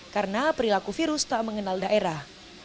karena perilaku virus tak mengenal daerah